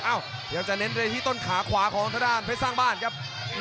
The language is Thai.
อ้าวยังจะเน้นเลยที่ต้นขาขวาของทะดานเพชรสร้างบ้านครับ